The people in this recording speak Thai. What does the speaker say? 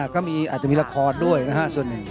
ก็อาจจะมีละครด้วยนะฮะส่วนหนึ่ง